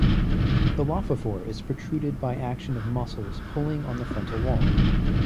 The lophophore is protruded by action of muscles pulling on the frontal wall.